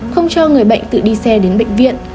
không cho người bệnh tự đi xe đến bệnh viện